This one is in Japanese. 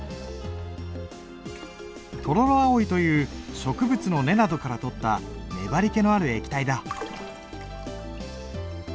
トロロアオイという植物の根などから採った粘りけのある液体だ。